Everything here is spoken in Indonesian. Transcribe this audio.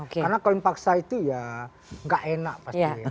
karena kawin paksa itu ya gak enak pasti